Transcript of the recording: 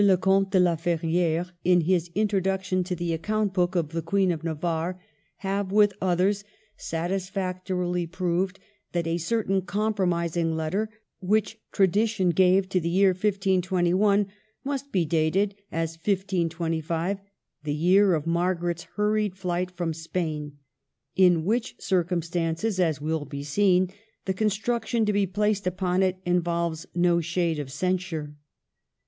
le Comte de la Ferriere, in his introduction to the " Account Book of the Queen of Navarre," have, with others, satisfactorily proved that a certain com promising letter, which tradition gave to the year 1521, must be dated as 1525, the year of Margaret's hurried flight from Spain ; in which circumstances, as will be seen, the construc tion to be placed upon it involves no shade of censure.